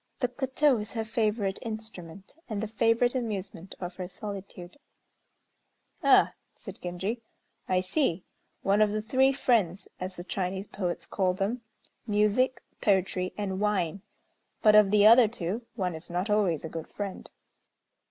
The koto is her favorite instrument, and the favorite amusement of her solitude." "Ah!" said Genji, "I see, one of the three friends (as the Chinese poets call them) Music, Poetry, and Wine; but, of the other two, one is not always a good friend."